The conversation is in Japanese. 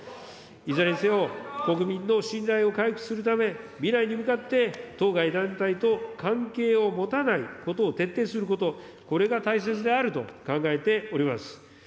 いずれにせよ、国民の信頼を回復するため、未来に向かって、当該団体と関係を持たないことを徹底すること、これが大切であると考えております。